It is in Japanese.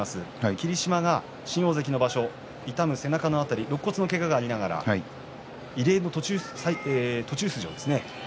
霧島が新大関の場所ろっ骨のけががありながら異例の途中出場ですね。